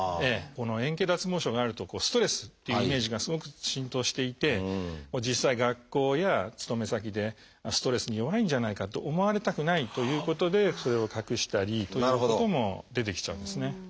円形脱毛症があるとストレスっていうイメージがすごく浸透していて実際学校や勤め先でストレスに弱いんじゃないかと思われたくないということでそれを隠したりということも出てきちゃうんですね。